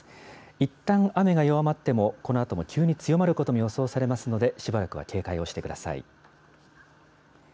いったん雨が弱まってもこのあとも急に強まることも予想されますので、しばらくは警戒をしてください。